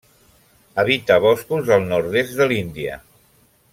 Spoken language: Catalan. Habita boscos del nord-est de l'Índia.